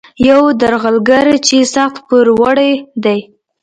یو درغلګر چې سخت پوروړی دی.